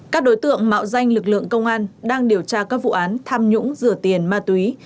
các đối tượng mạo danh lực lượng công an đang điều tra các vụ án tham nhũng rửa tiền ma túy